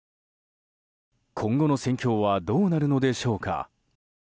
今後の戦況はどうなるのでしょうか。